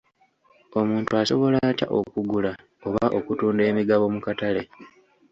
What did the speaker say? Omuntu asobola atya okugula oba okutunda emigabo mu katale?